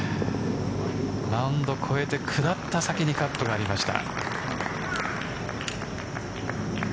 マウンドを超えて下った先にカットがありました。